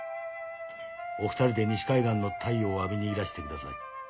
お二人で西海岸の太陽を浴びにいらして下さい。